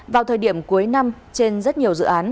vào thời điểm cuối năm trên rất nhiều dự án